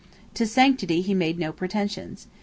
To sanctity he made no pretensions.